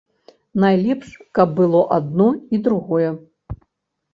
Найлепш, каб было адно і другое.